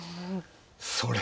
それ。